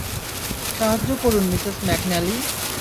সাহায্য করুন Mrs McNally.